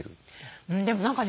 でも何かね